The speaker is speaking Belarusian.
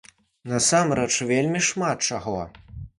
Насамрэч, вельмі шмат чаго!